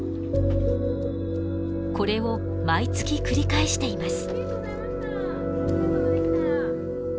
これを毎月繰り返しています。